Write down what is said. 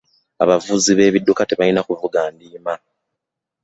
abavuzi b'ebidduka tebalina kuvunga ndiima.